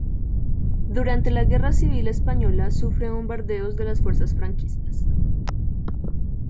Durante la Guerra Civil española sufre bombardeos de las fuerzas franquistas.